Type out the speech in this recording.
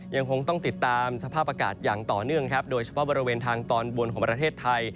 ยังคงต้องติดตามสภาพอากาศอย่างต่อเนื่องครับโดยเฉพาะบริเวณทางตอนบนของประเทศไทย